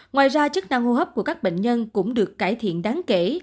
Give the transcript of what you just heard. ngoài ra chức năng hô hấp của các bệnh nhân cũng được cải thiện đáng kể